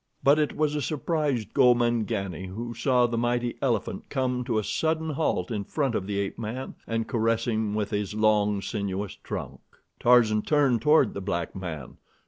But it was a surprised Gomangani who saw the mighty elephant come to a sudden halt in front of the ape man and caress him with his long, sinuous trunk. Tarzan turned toward the black man.